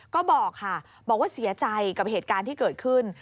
ก็บอกค่ะบอกว่าเสียใจกับเหตุการณ์ที่เกิดขึ้น